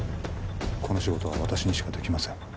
この仕事は私にしかできません